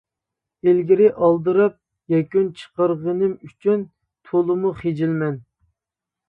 ئىلگىرى ئالدىراپ يەكۈن چىقارغىنىم ئۈچۈن تولىمۇ خىجىلمەن.